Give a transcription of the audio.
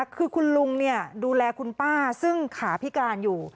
คือคุณลุงดูแลคุณป้าซึ่งขาพิการอยู่